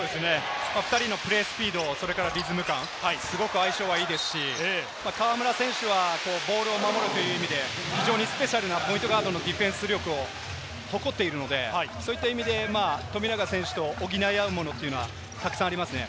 ２人のプレースピード、それからリズム感、すごく相性はいいですし、河村選手はボールを守るという意味でスペシャルなポイントガードのディフェンス力を誇っているので、そういう意味で富永選手と補い合うものというのがたくさんありますね。